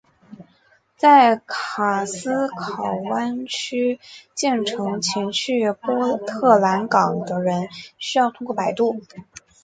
在卡斯考湾桥建成前去往波特兰港的人需要通过摆渡。